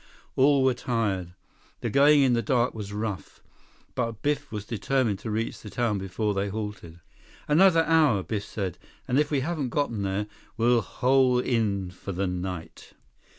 All were tired. The going in the dark was rough. But Biff was determined to reach the town before they halted. "Another hour," Biff said, "and if we haven't gotten there, we'll hole in for the night."